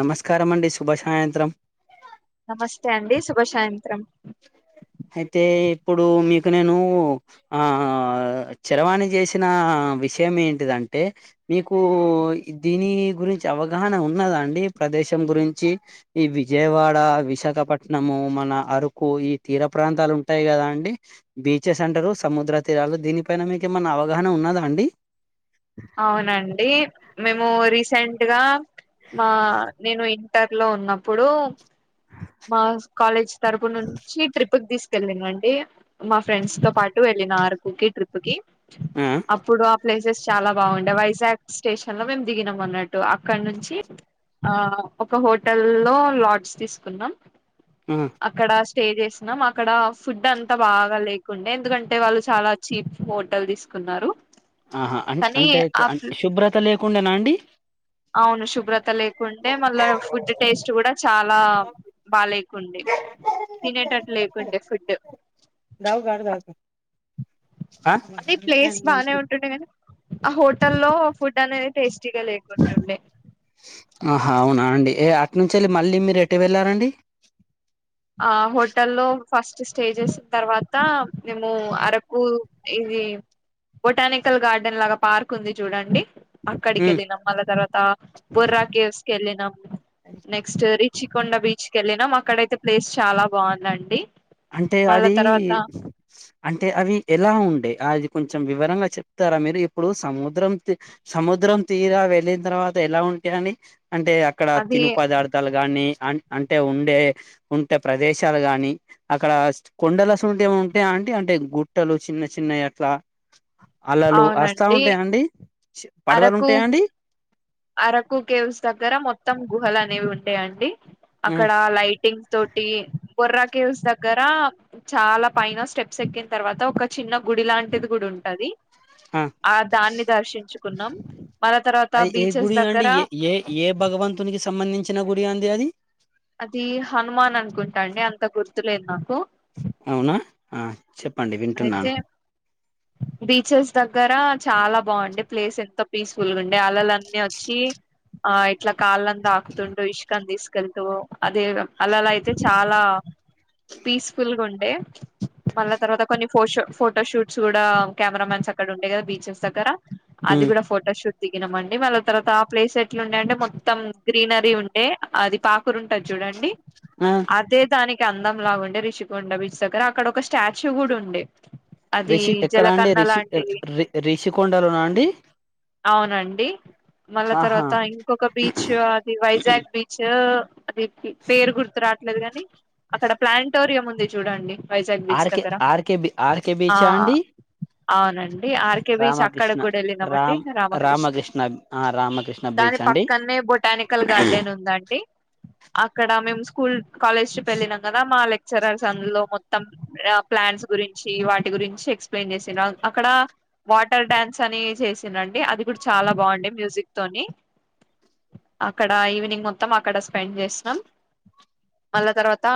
నమస్కార అండి శుభ సాయంత్రం. నమస్తే అండి శుభ సాాయంత్రం. అయితే ఇప్పుడు మీకు నేను ఆ చరవాణి చేసిన విషయం ఏంటిదంటే, మీకు దీని గురించి అవగాహన ఉన్నదండి ప్రదేశం గురించి ఈ విజయవాడ విశాఖపట్నము మన అరు. కో ఈ తీర ప్రాంతాలు ఉంటాయి కదా అండి బీచెస్ అంటారు సముద్ర తీరాలు దీనిపైన మీకు ఏమన్నా అవగాహన ఉన్నదా అండి? అవునండి మేము రీసెంట్. ఇగా మా నేను ఇంటర్ లో ఉన్నప్పుడు. మా కాలేజ్ తరపు నుంచి ట్రిప్ కి తీసుకు. స్పెల్లింగా అండి? మా ఫ్రెండ్స్ తో పాటు ఎటు నార్త్ ట్రిప్ కి ఆ అప్పుడు అప్ ప్లేసెస్ చాలా బాగుండే. వైజాగ్ స్టేషన్ లో మేము దిగినాం అన్నట్టు అక్కడ నుంచి ఆ ఒక హోటల్ లో లాడ్స్ తీసుకున్నాం. ఆ అక్కడ? స్టే చేసినాం, అక్కడ ఫుడ్ అంత బాగా లేకుండే ఎందుకంటే వాళ్లు చాలా ఛీప్ హోటల్ తీస్కున్నారు. ఆహా! అంటే అంటే శుభ్రత లేక. ఉండనా అండి. అవును శుభ్రతలే ఉంటే, మళ్ళా ఫుడ్ టేస్ట్ కూడా చాలా బాలే కుండే తినేటతిట్లు లే అంటే. ఫుడ్ దావు గ దాకు [unintelligible] అది ప్లేస్ బాగానే ఉంటుండే గానీ, ఆ హోటల్లో ఫుడ్ మళ్ళా, అది టేస్టీగా లేకుంటుండే. ఆహా! అవునా అండి అటు నుంచి వెళ్ళి మళ్ళీ మీరు ఎటు వెళ్ళారండి? ఆ హోటల్లో ఫస్ట్ స్టే చేసిన తర్వాత మేము అరకు ఇది బొటానికల్ గార్డెన్ లాగా పార్క్ ఉంది చూడండి. అక్కడికి ఉమ్. ఎల్లినం, మళ్ల తర్వాతా బొర్రా కేవ్స్ కెల్లినం, నెక్స్ట్ రిచికొండ బీచ్ కెల్లినాం అక్కడైతె ప్లేస్ చాలా బావుందండి. అంటే అదీ అంటే అవి ఎలా ఉండె ఆది కొంచెం వివరంగా చెప్తారా మీరు, ఇప్పుడు సముద్రం తి సముద్రం తీరా వెళ్లిన తర్వాత ఎలా ఉంటే అని అంటే అక్కడ అది తిను పదార్థాలు గానీ అం అంటే ఉండే ఉంటే ప్రదేశాలు గానీ అక్కడా స్ట్ కొండలసువంటియి ఏవైనా ఉంటాయా ఆంటి అంటే గుట్టలు చిన్నచిన్నయి అట్లా? అలలు అస్తా అవునండి ఉంటయా అండి? పడవలు అరకు ఉంటయా అండి? అరకు కేవ్స్ దగ్గర మొత్తం గుహలు అనేవి ఉంటయాండి? ఆ, అక్కడా లైటింగ్ తోటి. బొర్రాకేవ్స్ దగ్గరా చాలా పైన స్టెప్స్ ఎక్కిన తర్వాత ఒక చిన్న గుడి లాంటిది గూడ ఉంటది, ఆ దాన్ని దర్షించుకున్నాం. మరాతర్వాత అది బి ఏ గుడి ఆండి ఎ ఏ ఏ భగవంతున్ సంబంధించిన గుడి ఆంది అది? అదీ హనుమాన్ అనుకుంటాండి అంత గుర్తులేదు నాకు. అవునా ఆ చెప్పండి వింటున్నాను. అయితే బీచెస్ దగ్గరా చాలా బావుండె, ప్లేస్ ఎంత పీస్ ఫుల్ గుండే అలలన్నీ ఒచ్చీ ఆయ్ ఇట్లా కాళ్లని తాకుతుండు, ఇష్కని తీస్ [unintelligible] అదే అలలైతే చాలా పీస్ ఫుల్ గుండే. మల్ల తర్వాత ఫోషొ ఫోటో షూట్స్ గుడా కెమెరామ్యాన్స్ అక్కడ ఉండే కదా బీచెస్ దగ్గర. అది గుడా ఫోటోషూట్. దిగినమండి మళ్ల తర్వాత ఆ ప్లేస్ ఎట్లు ఉండే అంటే మొత్తం గ్రీనరీ ఉండే, అది పాకురు ఉంటది చూడండి. ఆ అదే దాని అందం లాగ ఉండే రిషికొండ బీచ్ దగ్గర అక్కడ ఒక స్టాచ్యూ గూడ ఉం ఉండే అదీ రిషి ఎక్కడ అండి జలకన్న రిషి లాంటివి, రి రిషికొండలోనా అండి అవునండి. మల్ల ఆహా తర్వాత ఇంకొక బీచ్ అది వైజాగ్ బీచ్. [inaudible] పేరు గుర్తురా లేదు కాని అక్కడ ప్లానిటోరియం ఉంది చూడండి. వైజాగ్ బీచ్ ఆర్కె దగ్గర ఆర్కె బి ఆ అవునండి ఆర్కే బీచ్ రామకృష్ణ అక్కడక్కూడా వెళ్ళినామండి రామ్ రామకృష్ణ ఆ రామకృష్ణ దాని బ్రీచ్ అండి పక్కనే బొటానికల్ గార్డెన్ ఉందండి డి అక్కడ మేము స్కూల్ కాలేజ్ వెళ్ళినాం కదా మా లెక్చరర్స్ అందులో మొత్తం ప్లాన్స్ గురించి వాటి గురించి ఎక్స్ప్లెయిన్ చేసిన అక్కడ వాటర్ డాన్స్ అని చేసిండి అది కూడా చాలా బాగుండంది మ్యూజిక్ తోని అక్కడ ఈవినింగ్ మొత్తం అక్కడ స్పెండ్ చేసినం మళ్ళ తర్వాత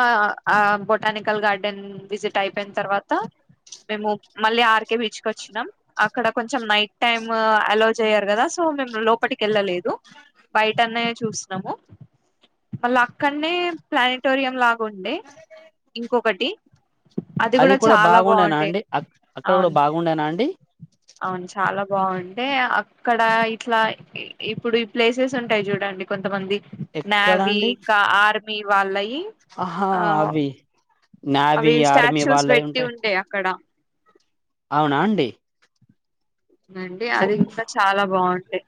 ఆ బొటానికల్ గార్డెన్ విజిట్ అయిపోయిన తర్వాత త మేము మళ్ళీ ఆర్కే బీచ్ క వచ్చినాం అక్కడ కొంచెం నైట్ టైమ్ అలో జెయ్యారు కదా సో మేము లోపటికి వెళ్ళలేదు బయట అన్నయ చూసన్నాము మళ్ళీ అక్కడ్నే ప్లానటోరియం లాగ ఉండే ఇంకొకటి అది కూడ కూడా బాగుండేనా అండి అక్కడ కూడ బాగుండేన అండి అండి అవును చాల బాగుంటే అక్కడ ఇట్ల ఇప్పుడు ఈ ప్లేసెస్ ఉంటాయి చూడండి కొంతమంది న్యావి ఇంక ఆర్ మీ వాళ్ళయి అహా ఆ అవి నావీ అవి ఆర్మీ స్టాచ్యూస్ వాళ్ళవి పెట్టి ఉంటాయి ఉంటయి అక్కడ అవునా అండి అండి ఫో అది కూడ చాల బాగుంట యి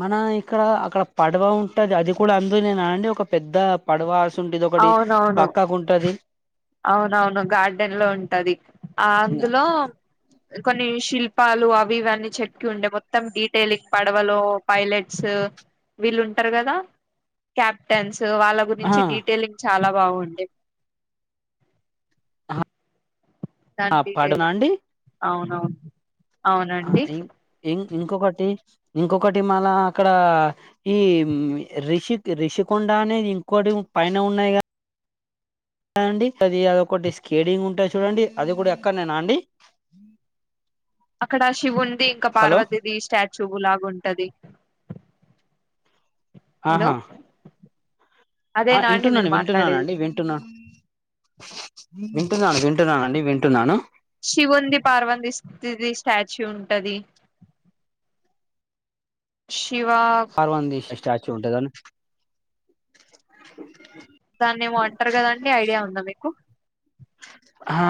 మన ఇక్కడ అక్కడ పడవ ఉంటది అది కూడ అందునే నా అండి ఒక పెద్ద పడవ అసుంటిది ఒకటి అవునవును పక్కకు ఉంటది అవునవును గార్డెన్లో ఉంటది ఆ అందులో కొన్ని శిల్పాలు అవి ఇవన్నీ చెట్లు ఉండే మొత్తం డీటెలింగ్ పడవలో పైలట్స్ వీళ్ళు ఉంటారు కదా క్యాప్టెన్స్ వాళ్ళ గురించి డి చాల బాగుండే ఆ పడనా [unintelligible] అండి అవున్ అవున ఆ ఇం ఇం ఇంకొకటి ఇంకొకటి మళ అక్కడా ఈ రిషి రిషికొండ అనేది ఇంకొటి పైన ఉన్నాయి కద అండి అది అదిొ ఒకటి స్కేటింగ్ ఉంటది చూడండి అది కూడ ఎక్కడ్నెనా అండి అక్కడ శివున్ది ఇంక హలో పార్వతీది స్టాచ్యూ చ్చువ్ లాగుంటది ఆహ ఆ అదేనా వింటున్నా మీరు అండి మాట్లాడేది వింటున్నానండి వింటున్నాను వింటున్నాను వింటున్నానండి వింటున్నాను శివుంది పార్వతి స్తుిది స్టాచ్యూ ఉంటది ష్ పార్వంది స్టాచ్యు ఉంటుదని దానేమో అంటరు కదండి ఐడియా ఉందా మీకు ఆ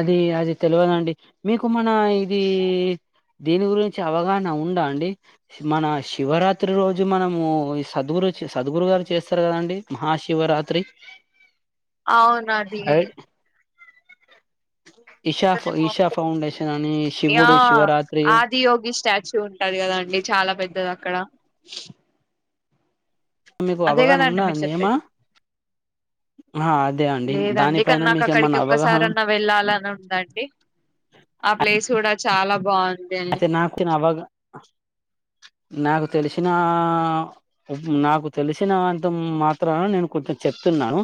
అది అది తెలవదండి మీకు మన ఇది దీని గురించి అవగాహన ఉందా అండి మన శివరాత్రి రోజు మనము సద్గురు సద్గురు గారు చేస్తారు కదండి మహాశివరాత్రి అవునది ఐ- ఇషా ఈషా ఫౌండేషన్ అని ఆ శివుడు శివరాత్రి ఆదియోగి స్టాచ్యూ ఉంటది కదా అండి చాలా పెద్దద అక్కడ మీకు అదే అవగాహన కదండి ఉందా మీరు అండి ఏమా చెప్పేది అదే అండి లేదండి కానీ దానిపైన నాకు మీకు అక్కడికి ఏమన్నా అవగాహన ఒక్కసారన్నా వెళ్ళాలని ఉందండి ఆ ప్లేస్ కూడా చాలా బాగుం అయితే నాకు ఆవగా నాకు తెలిసిన నాకు తెలిసిన అంత మాత్రన నేను కొంచెం చెప్తున్నాను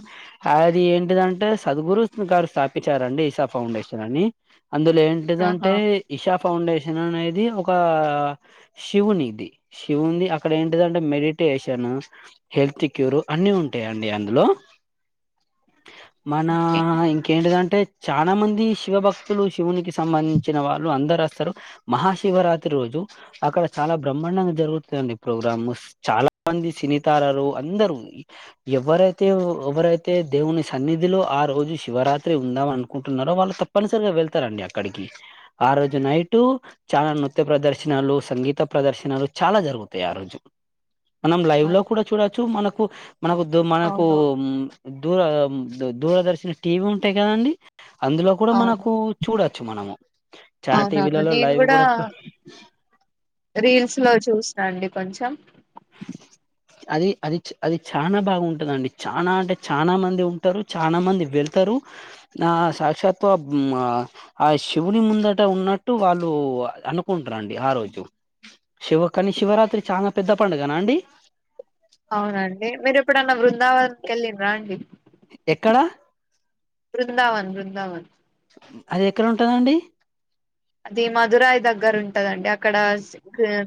అది ఏంటిదంటే సద్గురు గారు స్థాపించారండి ఈసా ఫౌండేషన్ అని అందులో ఆహా ఏంటిదంటే ఇషా ఫౌండేషన్ అనేది ఒక శివునిది శివుది అక్కడ ఏంటిదంటే మెడిటేషన్ హెల్త్ క్యూర్ అన్ని ఉంటాయండి అందులో మన ఓకే ఇంకేంటిదంటే చానా మంది శివభక్తులు శివునికి సంబంధించిన వాళ్ళు అందరు అస్తరు మహాశివరాత్రి రోజు అక్కడ చాలా బ్రహ్మాండంగా జరుగుతుదండి ప్రోగ్రామ్ చాలా మంది సినితారలు అందరూ ఎవరైతే ఎవరైతే దేవుని సన్నిధిలో ఆ రోజు శివరాత్రి ఉందాం అనుకుంటున్నారో వాళ్ళు తప్పనిసరిగా వెళ్తారండి అక్కడికి ఆ రోజు నైటు చాలా నృత్య ప్రదర్శనలు సంగీత ప్రదర్శనలు చాలా జరుగుతాయి ఆ రోజు మనం లైవ్ లో కూడా చూడొచ్చు మనకు మనకు మనకు అవునవును దూర దూరదర్శన టీవీ ఉంటాయి కదండి అందులో కూడా అవును మనకు చూడొచ్చు మనము చాన టీవీలలో లైవ్ ఆ కూడా రీల్స్ లో చూసి రండి కొంచెం అది అది అది చనా బాగుంటదండి చనా అంటే చనా మంది ఉంటారు చనా మంది వెళ్తారు ఆ సాక్షాతు ఆ శివుని ముందట ఉన్నట్టు వాళ్ళు అనుకుంటారండి ఆ రోజు శివ కానీ శివరాత్రి చాన పెద్ద పండుగ దనా అండి అవునండి మీరు ఇప్పు నా వృందావన్ కెలిన్ రా అండి ఎక్కడ బృందావన్ బృందావన్ అది ఎక్కడ ఉంటదండి అది మధురాయి దగ్గర ఉంటదండి అక్కడ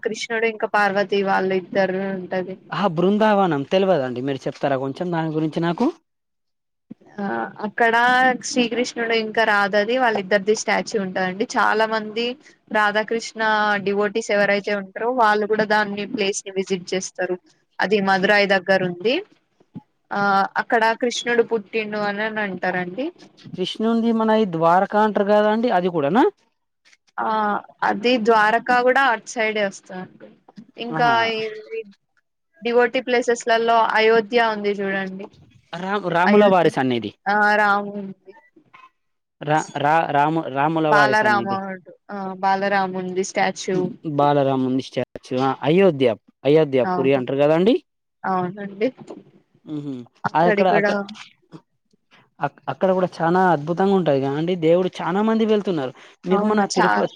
కృష్ణుడు ఇంకా పార్వతి వాళ్ళు ఇద్దరు ఉంటది ఆహ బృందావనం తెలివదండి మీరు చెప్ తార కొంచెం దాని గురించి నాకు ఆ అక్కడ శ్రీకృష్ణుడు ఇంకా రాదది వాళ్ళ ఇద్దరిది స్టాచ్యూ ఉంటదండి చాలా మంది రాధాకృష్ణ డివోటీస్ ఎవరైతే ఉంటారో వాళ్ళు కూడా దాన్ని ప్లేస్ ని విజిట్ చేస్తారు అది మధురాయి దగ్గర ఉంది ఆ అక్కడ కృష్ణుడు పుట్టిండు అని అన్ అంటారండి కృష్ణుణుది మన ఈ ద్వారకా అంట్ర కదా అండి అది కూడానా ఆ అది ద్వారకా కూడా అటు సైడే వస్తదండి ఇంకా ఆహా డివోటి ప్లేసెస్ లలో అయోధ్య ఉంది చూడండి రామ్ రాముల అయోధ్య వారి సన్నిధి ఆ రాము ఉంది రా రా రామ బాలరామ బాలరా ముంది స్టాచూ అ అయోధ్యా అయోధ్యా పూరి అంటారు కదాండి అవునండి ఆ అక్కడి అక్కడ కూడా అక్కడ అ అక్కడ కూడా చనా అద్భుత అత్తంగా ఉంటారు కాండి దేవుడు చాలా మంది వెళ్తున్నారు అవును దిగుమనా చా తిరుపత్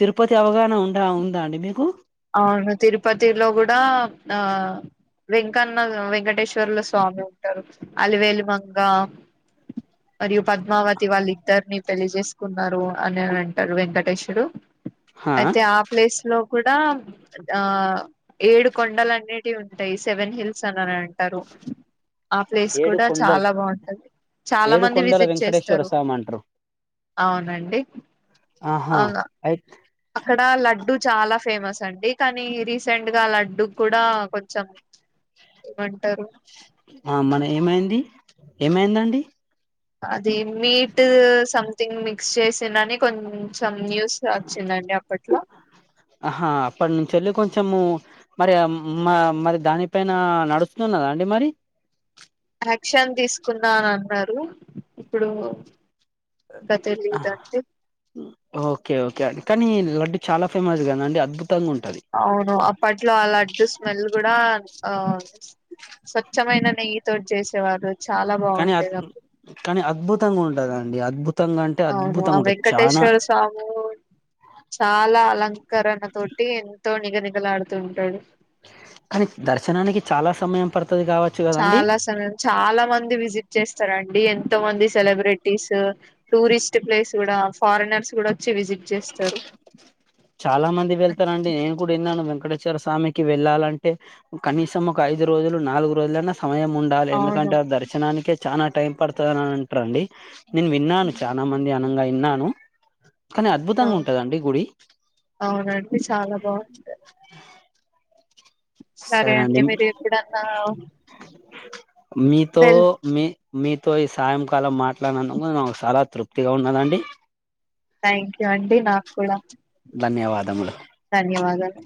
తిరుపతి అవగాహన ఉండా ఉందా అండి మీకు అవును తిరుపతిలో కూడా ఆ వెంకన్న వెంకటేశ్వరుల స్వామి ఉంటారు అలివేలి మంగ మరియు పద్మావతి వాళ్ళ ఇద్దరుని పెళ్ళి జేసుకున్నారు అని అంటారు వెంకటేశ్వడు హా అయితే ఆ ప్లేస్ లో కూడా ఆ ఏడు కొండలు అన్నిటివి ఉంటాయి సెవెన్ హిల్స్ అనిని అంటారు ఆ ప్లేస్ ఏడు కూడా కొండలు చాలా బాగుంటుది చాలా ఏడు మంది కొండల విజిట్ వెంకటేశ్వర చేస్తారు స్వామి అంటారు అవునండి ఆహా అవును అయి అక్కడ లడ్డు చాలా ఫేమస్ అండి కానీ రీసెంట్ గా లడ్డు కూడా కొంచెం ఏమంటారు ఆ మన ఏమైంది ఏమైందండి అది మీట్ సంథింగ్ మిక్స్ చేసినని కొంచం సమ్ న్యూస్ లో వచ్చిందండి అప్పట్లో కొంచము మరి మరి దానిపైనా నడుస్తున్నదా అండి మరి యాక్షన్ తీసుకున్నా అని అన్నారు ఇప్పుడు ఇంక తెలీదండి ఓకే ఓకే అండి కానీ లడ్డూ చాలా ఫేమస్ కదా అండి అద్ అవును అప్పట్లో అలా లడ్డూ స్మెల్ కూడా ఆ స్వచ్ఛమైన నెయ్యి తోటి చేసేవారు చాలా కానీ అ బాగుండేది అప్పుడు కానీ అద్భుత్ తంగా ఉంటదండి అద్భుత్ అవును ఆ వెంకటేశ్వర స్వాము చాలా అలం కరున తోటి ఎంతో నిగ నిగలాడుతుంటాడు కానీ దర్శనానికి చాలా సమయం పడత్ చాలా సమయం చాలా మంది విజిట్ చేస్తారండి ఎంతో మంది సెలబ్రేటీస్ టూరిస్ట్ ప్లేస్ కూడా ఫారినర్స్ కూడా వచ్చి విజిట్ చేస్తారు చాలా మంది వెళ్తారండి నేను కూడా విన్నాను [unintelligible] స్వామికి వెళ్ళాలంటే కనీసం ఒక ఐదు రోజులు నాలుగు రోజులన్న సమయం ఉండాలి అవును ఎందుకంటే ఆ దర్శనానికే చానా టైం పడతారంట అండి డ నేను విన్నాను చాలా మంది అనంగా విన్నాను కానీ అద్భుతంగా అవును ఉంటది గుడి అవునండి చాలా బాగుంటయి సరే అండి మీరు ఎప్పుడన్నా మీతో వెల్ మీ మీ తో ఈ సాయంకాలం మాట్లాడినందుకు నాకు చాలా తృప్తిగా ఉన్నదండి థ్యాంక్ యూ అండి నాకు కూడా ధన్యవాదములు ధన్యవాదాలు